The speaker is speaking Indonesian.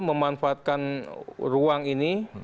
memanfaatkan ruang ini